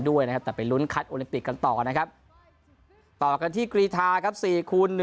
ด้วยนะครับแต่ไปลุ้นคัดโอลิมปิกกันต่อนะครับต่อกันที่กรีธาครับ๔คูณ๑